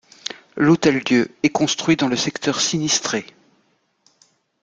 L'Hôtel-Dieu est construit dans le secteur sinistré.